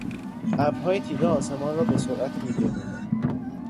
ابرهای تیره آسمان را به سرعت میپیمودند.